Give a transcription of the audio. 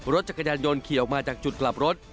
รถจักรยานโยนขี่ออกมาจากจุดกลับรถ